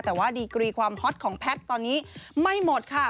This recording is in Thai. แต่ว่าดีกรีความฮอตของแพทย์ตอนนี้ไม่หมดค่ะ